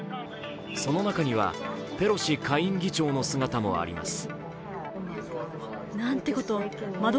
その中にはペロシ下院議長の姿もあります。